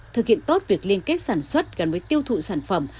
thực hiện tốt việc liên kết sản xuất gắn với tiêu thụ sản phẩm